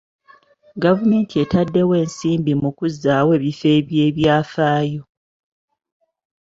Gavumenti etaddewo ensimbi mu kuzzaawo ebifo by'ebyafaayo.